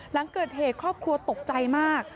หลังเกิดเหตุครอบครัวตกใจมาก